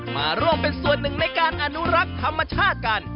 มาร่วมเป็นส่วนหนึ่งในการอนุรักษ์ธรรมชาติกัน